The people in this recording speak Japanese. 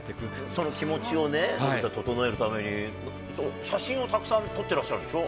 その気持ちをね、野口さん、整えるために、写真をたくさん撮ってらっしゃるでしょ？